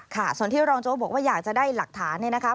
ค่ะสนที่รองโจ้บอกว่าอยากจะได้หลักฐานนะครับ